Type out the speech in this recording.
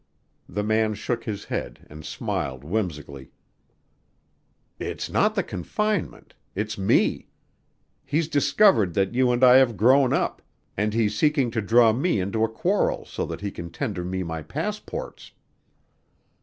The man shook his head and smiled whimsically. "It's not the confinement. It's me. He's discovered that you and I have grown up, and he's seeking to draw me into a quarrel so that he can tender me my passports."